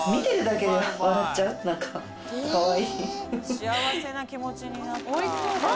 幸せな気持ちになった。